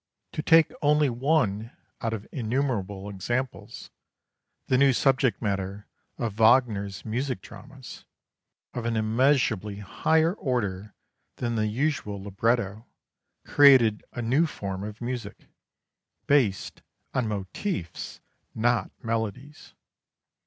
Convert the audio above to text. To take only one out of innumerable examples, the new subject matter of Wagner's music dramas, of an immeasurably higher order than the usual libretto, created a new form of music, based on motifs, not melodies.